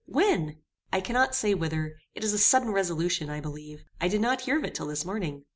when?" "I cannot say whither. It is a sudden resolution I believe. I did not hear of it till this morning.